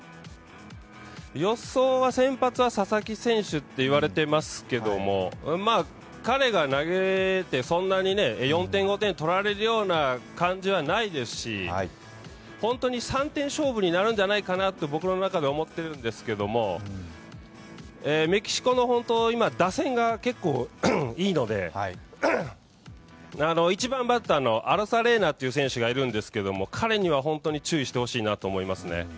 予想は先発は佐々木選手っていわれてますけども、彼が投げてそんなに４点、５点取られるような感じはないですし本当に３点勝負になるんじゃないかなと僕の中で思っているんですけどメキシコの打線が結構いいので、１番バッターのアロザレーナ、彼には本当に注意してほしいなと思いますね。